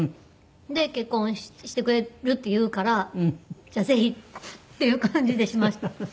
で結婚してくれるって言うからぜひっていう感じでしました。